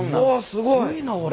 すごいなこれ。